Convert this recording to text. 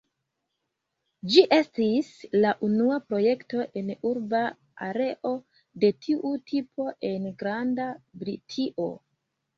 Ĝi estis la unua projekto en urba areo de tiu tipo en Granda Britio.